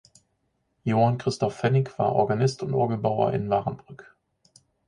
Johann Christoph Pfennig war Organist und Orgelbauer in Wahrenbrück.